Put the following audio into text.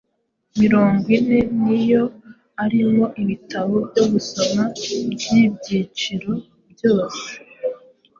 Mirongwine ni yo arimo ibitabo byo gusoma by’ibyiciro byose,